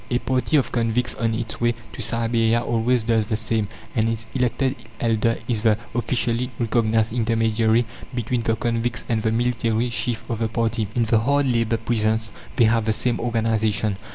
A party of convicts on its way to Siberia always does the same, and its elected elder is the officially recognized intermediary between the convicts and the military chief of the party. In the hard labour prisons they have the same organization.